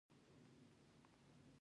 دا د ایران ستراتیژیک ځواک دی.